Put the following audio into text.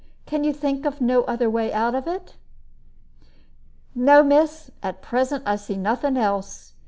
Can you think of no other way out of it?" "No, miss, at present I see nothing else.